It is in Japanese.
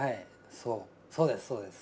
そうですそうです。